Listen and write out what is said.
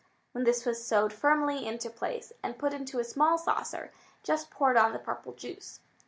When this was sewed firmly into place, and put into a small saucer, Jess poured on the purple juice.